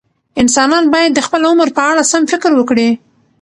انسانان باید د خپل عمر په اړه سم فکر وکړي.